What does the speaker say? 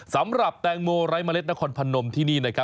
สำหรับแตงโมไร้เมล็ดนครพนมที่นี่